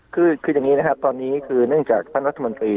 คืออย่างนี้นะครับตอนนี้คือเนื่องจากท่านรัฐมนตรี